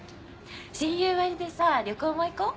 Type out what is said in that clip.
親友割でさぁ旅行も行こう？